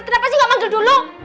kenapa sih nggak manggil dulu